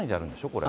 これ。